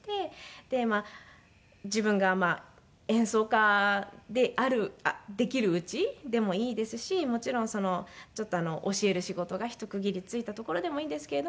で自分が演奏家であるできるうちでもいいですしもちろん教える仕事が一区切りついたところでもいいんですけれども。